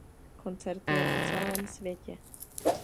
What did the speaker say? Koncertuje po celém světě.